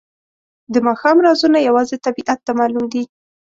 د ماښام رازونه یوازې طبیعت ته معلوم دي.